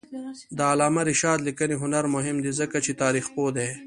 د علامه رشاد لیکنی هنر مهم دی ځکه چې تاریخپوه دی.